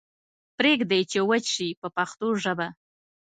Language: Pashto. پریږدئ چې وچ شي په پښتو ژبه.